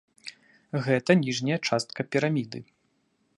Гэта ніжняя частка піраміды.